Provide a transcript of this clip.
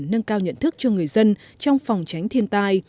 nâng cao nhận thức cho người dân trong phòng tránh thiên tai